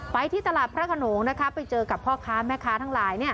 ที่ตลาดพระขนงไปเจอกับพ่อค้าแม่ค้าทั้งหลาย